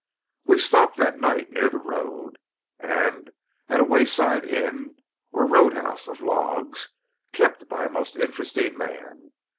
We stopped that night near the road, and at a wayside inn or road house of logs kept by a most interesting man.